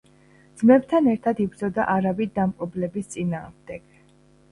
ძმებთან ერთად იბრძოდა არაბი დამპყრობლების წინააღმდეგ.